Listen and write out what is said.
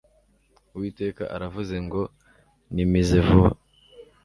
uwiteka iaravuze ngo nimize vuba